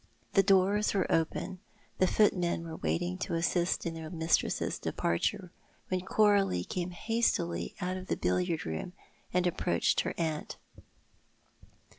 The doors were open, the footmen were waiting to assist in their mistress's dejiarture, when Coral e came hastily out of the billiard room and aiiproached her aunt.